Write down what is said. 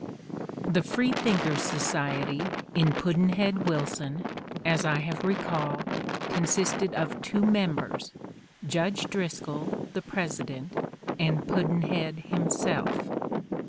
THE Free Thinkers' Society in "Pudd'nhead Wil son," as I have recalled, consisted of two members, Judge DriscoU, the president, and Pudd'nhead himself.